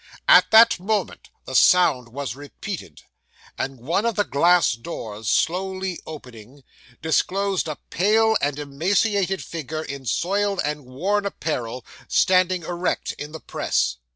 At that moment, the sound was repeated; and one of the glass doors slowly opening, disclosed a pale and emaciated figure in soiled and worn apparel, standing erect in the press.